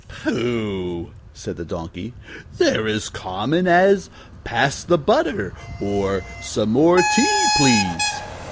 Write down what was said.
"Pooh!" said the Donkey. "They're as common as, Pass the butter, or, Some more tea, please.